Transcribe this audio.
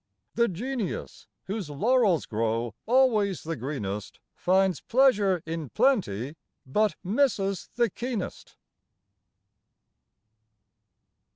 The genius whose laurels grow always the greenest Finds pleasure in plenty, but misses the keenest.